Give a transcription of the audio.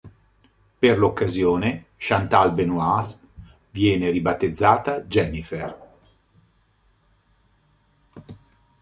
Per l'occasione Chantal Benoist viene ribattezzata Jennifer.